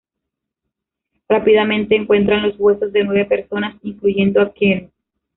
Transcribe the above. Rápidamente encuentran los huesos de nueve personas, incluyendo a Kearns.